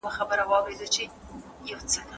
هغه دلایل چي لیکوال وړاندې کړل منلي دي.